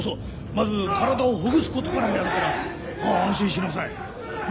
まず体をほぐすことからやるから安心しなさい。ね？